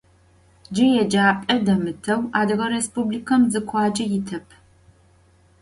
Cı yêcap'e demıteu Adıge Rêspublikem zı khuace yitep.